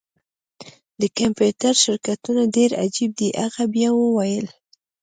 د کمپیوټر شرکتونه ډیر عجیب دي هغې بیا وویل